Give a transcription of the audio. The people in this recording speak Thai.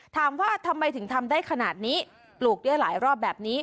ถามว่าทำไมถึงทำได้ขนาดนี้ปลูกได้หลายรอบแบบนี้